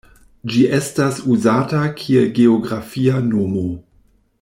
Ĝi estas uzata kiel geografia nomo.